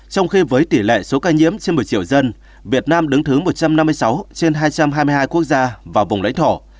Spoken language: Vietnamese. trong khi với tỷ lệ số ca nhiễm trên một mươi triệu dân việt nam đứng thứ một trăm năm mươi sáu trên hai trăm hai mươi hai quốc gia và vùng lãnh thổ